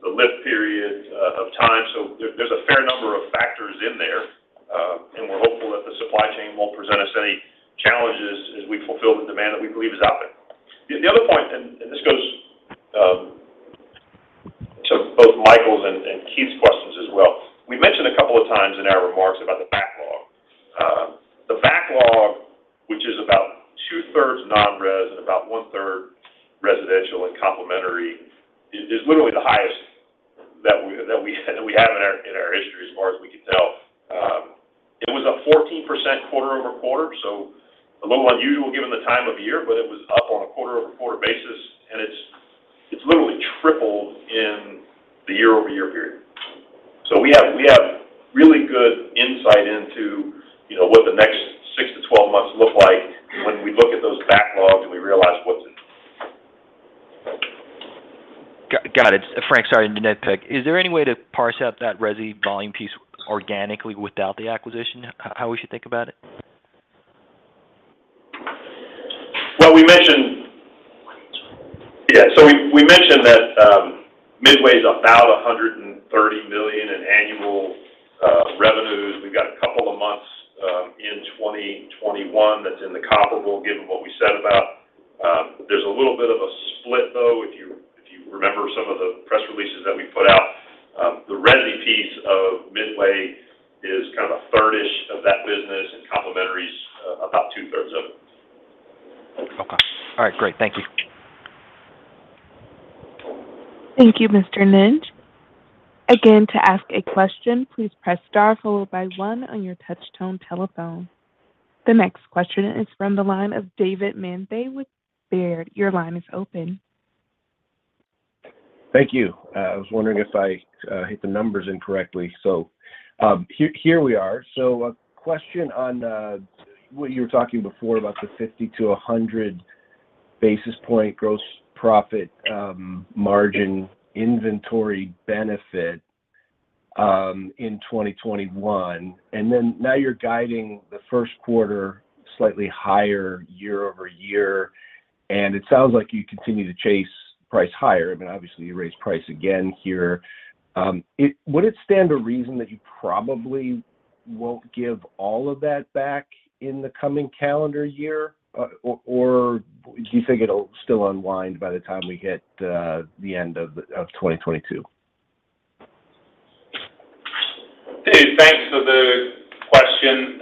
the lift period of time. There's a fair number of factors in there, and we're hopeful that the supply chain won't present us any challenges as we fulfill the demand that we believe is out there. The other point, and this goes Both Michael's and Keith's questions as well. We mentioned a couple of times in our remarks about the backlog. The backlog, which is about two-thirds non-res and about one-third residential and complementary, is literally the highest that we have in our history as far as we can tell. It was a 14% quarter-over-quarter, so a little unusual given the time of year, but it was up on a quarter-over-quarter basis, and it's literally tripled in the year-over-year period. We have really good insight into, you know, what the next six to 12 months look like when we look at those backlogs, and we realize what's. Got it. Frank, sorry, nitpick. Is there any way to parse out that resi volume piece organically without the acquisition? How we should think about it? Well, we mentioned. Yeah, we mentioned that Midway's about $130 million in annual revenues. We've got a couple of months in 2021 that's in the comparable given what we said about. There's a little bit of a split, though, if you remember some of the press releases that we put out. The resi piece of Midway is kind of a third-ish of that business, and complementary's about two-thirds of it. Okay. All right. Great. Thank you. Thank you, Mr. Ng. Again, to ask a question, please press star followed by one on your touch tone telephone. The next question is from the line of David Manthey with Baird. Your line is open. Thank you. I was wondering if I hit the numbers incorrectly. Here we are. A question on what you were talking before about the 50 to 100 basis point gross profit margin inventory benefit in 2021. Now you're guiding the Q1 slightly higher year-over-year, and it sounds like you continue to chase price higher. I mean, obviously, you raised price again here. Would it stand to reason that you probably won't give all of that back in the coming calendar year, or do you think it'll still unwind by the time we get to the end of 2022? Dave, thanks for the question.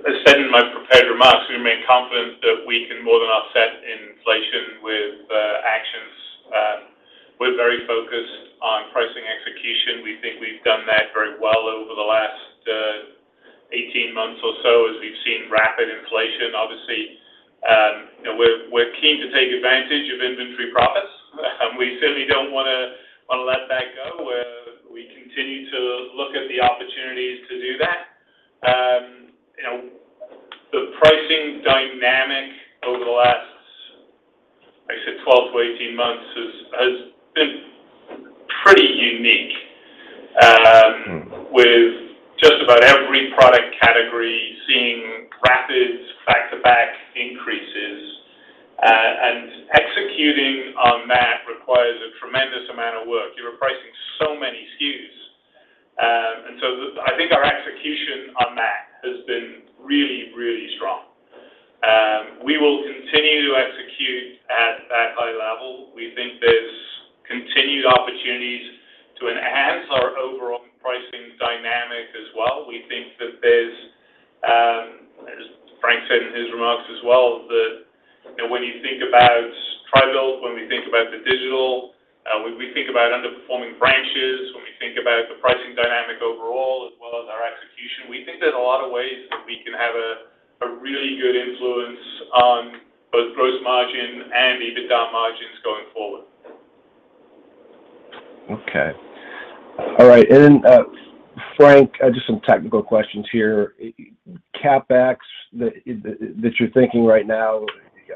Look, I said in my prepared remarks, we remain confident that we can more than offset inflation with actions. We're very focused on pricing execution. We think we've done that very well over the last 18 months or so as we've seen rapid inflation. Obviously, you know, we're keen to take advantage of inventory profits, and we certainly don't wanna let that go. We continue to look at the opportunities to do that. You know, the pricing dynamic over the last, I'd say, 12-18 months has been pretty unique with just about every product category seeing rapid back-to-back increases. Executing on that requires a tremendous amount of work. You're pricing so many SKUs. I think our execution on that has been really strong. We will continue to execute at that high level. We think there's continued opportunities to enhance our overall pricing dynamic as well. We think that there's, as Frank said in his remarks as well, that, you know, when you think about TRI-BUILT, when we think about the digital, when we think about underperforming branches, when we think about the pricing dynamic overall as well as our execution, we think there's a lot of ways that we can have a really good influence on both gross margin and EBITDA margins going forward. Okay. All right. Then, Frank, just some technical questions here. CapEx that you're thinking right now,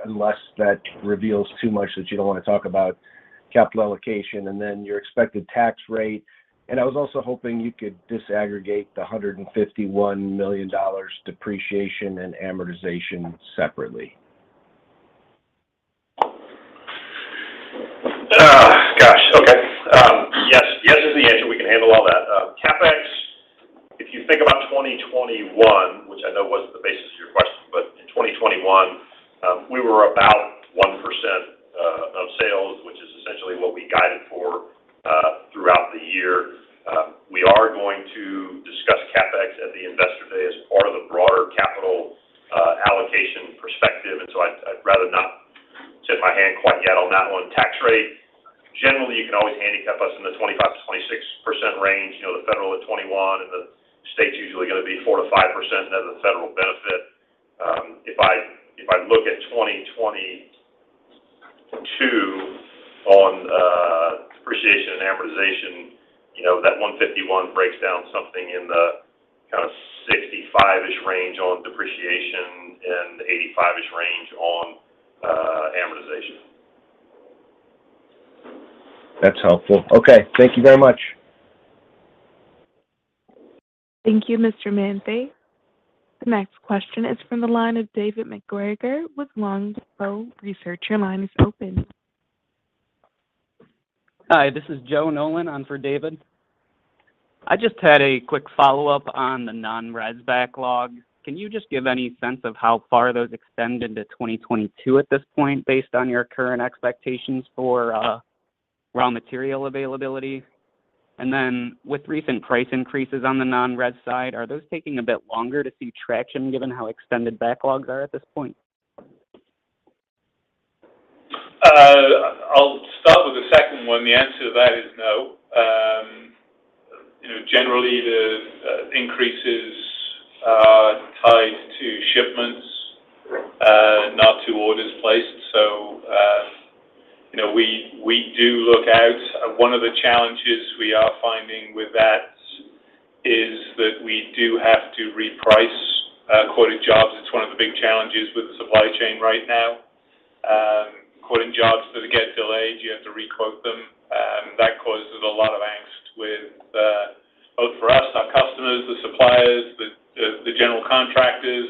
unless that reveals too much that you don't wanna talk about capital allocation and then your expected tax rate. I was also hoping you could disaggregate the $151 million depreciation and amortization separately. Yes is the answer. We can handle all that. CapEx, if you think about 2021, which I know wasn't the basis of your question, but in 2021, we were about 1% of sales, which is essentially what we guided for throughout the year. We are going to discuss CapEx at the Investor Day as part of the broader capital allocation perspective. I'd rather not tip my hand quite yet on that one. Tax rate, generally, you can always handicap us in the 25%-26% range. You know, the federal at 21%, and the state's usually gonna be 4%-5% as a federal benefit. If I look at 2022 on depreciation and amortization, you know, that $151 breaks down something in the kinda $65-ish range on depreciation and $85-ish range on amortization. That's helpful. Okay. Thank you very much. Thank you, Mr. Manthey. The next question is from the line of David MacGregor with Longbow Research. Your line is open. Hi. This is Joe Nolan on for David. I just had a quick follow-up on the non-res backlog. Can you just give any sense of how far those extend into 2022 at this point based on your current expectations for raw material availability? With recent price increases on the non-res side, are those taking a bit longer to see traction given how extended backlogs are at this point? I'll start with the second one. The answer to that is no. You know, generally, the increases are tied to shipments, not to orders placed. You know, we do look out. One of the challenges we are finding with that is that we do have to reprice quoted jobs. It's one of the big challenges with the supply chain right now. Quoting jobs that get delayed, you have to re-quote them, and that causes a lot of angst with both for us, our customers, the suppliers, the general contractors,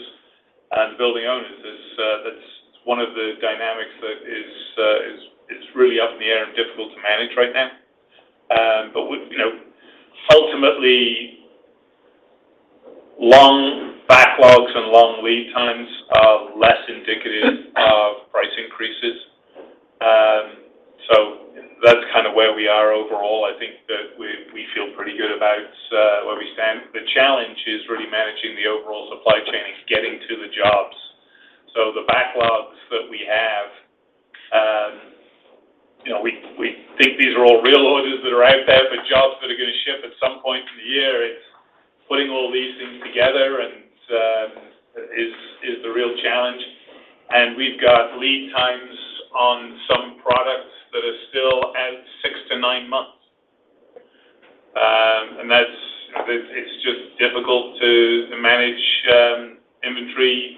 and building owners. That's one of the dynamics that is really up in the air and difficult to manage right now. You know, ultimately, long backlogs and long lead times are less indicative of price increases. That's kind of where we are overall. I think that we feel pretty good about where we stand. The challenge is really managing the overall supply chain and getting to the jobs. The backlogs that we have, you know, we think these are all real orders that are out there, but jobs that are gonna ship at some point in the year, it's putting all these things together and is the real challenge. We've got lead times on some products that are still out 6-9 months. That's. It's just difficult to manage inventory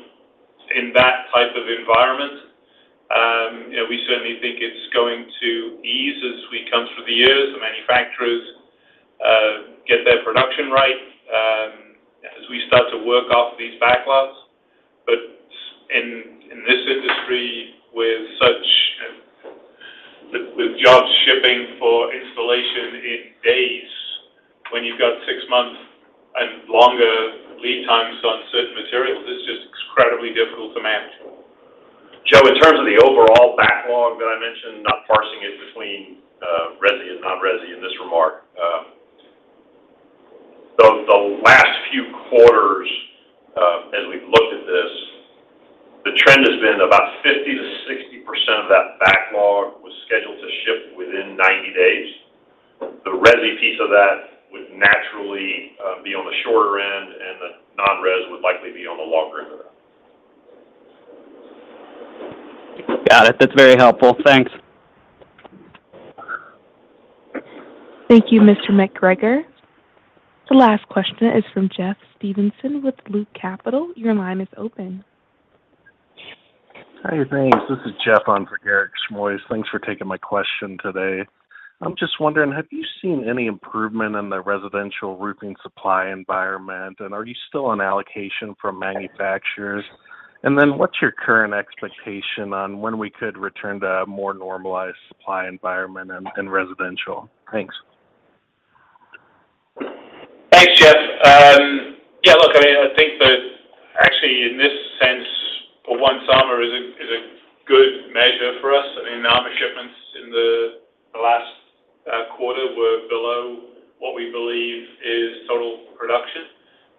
in that type of environment. You know, we certainly think it's going to ease as we come through the years. The manufacturers get their production right as we start to work off these backlogs. In this industry with jobs shipping for installation in days, when you've got six months and longer lead times on certain materials, it's just incredibly difficult to manage. Joe, in terms of the overall backlog that I mentioned, not parsing it between resi and non-resi in this remark, the last few quarters, as we've looked at this, the trend has been about 50%-60% of that backlog was scheduled to ship within 90 days. The resi piece of that would naturally be on the shorter end, and the non-res would likely be on the longer end of that. Got it. That's very helpful. Thanks. Thank you, Mr. MacGregor. The last question is from Jeffrey Stevenson with Loop Capital. Your line is open. Hi. Thanks. This is Jeff on for Eric Bosshard. Thanks for taking my question today. I'm just wondering, have you seen any improvement in the residential roofing supply environment, and are you still on allocation from manufacturers? What's your current expectation on when we could return to a more normalized supply environment in residential? Thanks. Thanks, Jeff. Yeah, look, I mean, I think that actually in this sense, for one, summer is a good measure for us. I mean, summer shipments in the last quarter were below what we believe is total production.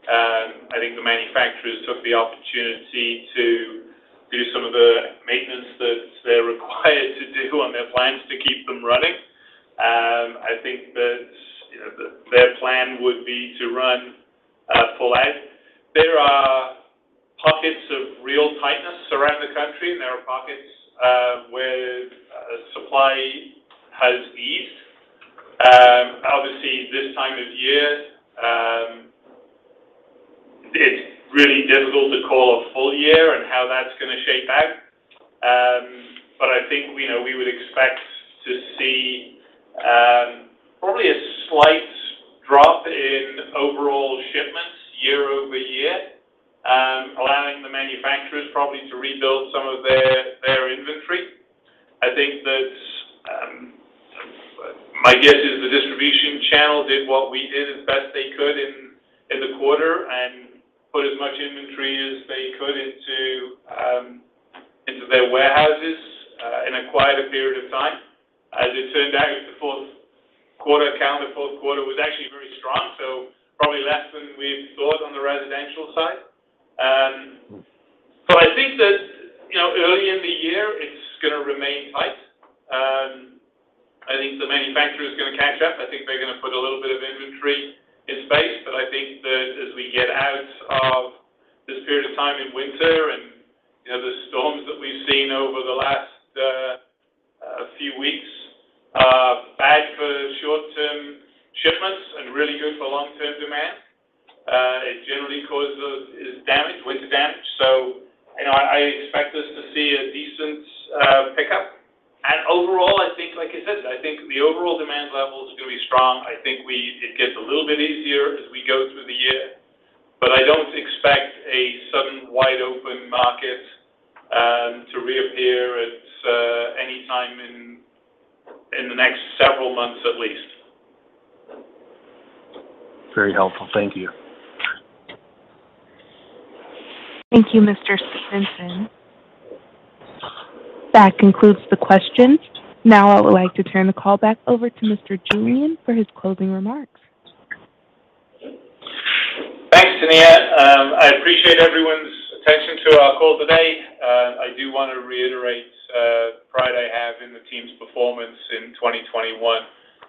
I think the manufacturers took the opportunity to do some of the maintenance that they're required to do on their plants to keep them running. I think that, you know, their plan would be to run full out. There are pockets of real tightness around the country, and there are pockets where supply has eased. Obviously, this time of year, it's really difficult to call a full year and how that's gonna shape out. I think, you know, we would expect to see probably a slight drop in overall shipments year-over-year, allowing the manufacturers probably to rebuild some of their inventory. I think that my guess is the distribution channel did what we did as best they could in the quarter and put as much inventory as they could into their warehouses in a quieter period of time. As it turned out, the Q4, calendar Q4 was actually very strong, so probably less than we thought on the residential side. I think that, you know, early in the year, it's gonna remain tight. I think the manufacturer is gonna catch up. I think they're gonna put a little bit of inventory in place. I think that as we get out of this period of time in winter and, you know, the storms that we've seen over the last few weeks, bad for short-term shipments and really good for long-term demand, it generally causes damage, winter damage. You know, I expect us to see a decent pickup. Overall, I think, like I said, I think the overall demand levels are gonna be strong. I think it gets a little bit easier as we go through the year. I don't expect a sudden wide open market to reappear at any time in the next several months at least. Very helpful. Thank you. Thank you, Mr. Stevenson. That concludes the questions. Now, I would like to turn the call back over to Mr. Julian for his closing remarks. Thanks, Tania. I appreciate everyone's attention to our call today. I do wanna reiterate the pride I have in the team's performance in 2021.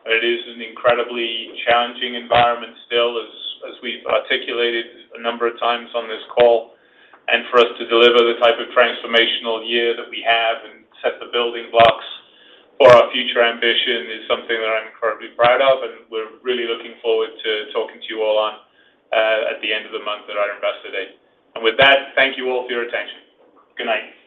It is an incredibly challenging environment still, as we've articulated a number of times on this call. For us to deliver the type of transformational year that we have and set the building blocks for our future ambition is something that I'm incredibly proud of, and we're really looking forward to talking to you all on at the end of the month at Investor Day. With that, thank you all for your attention. Good night.